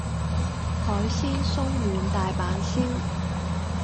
海鮮鬆軟大阪燒